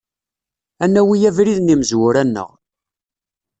Ad nawi abrid n yimezwura-nneɣ.